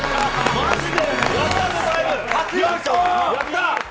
マジで！？